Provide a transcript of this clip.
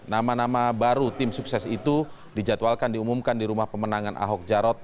nama nama baru tim sukses itu dijadwalkan diumumkan di rumah pemenangan ahok jarot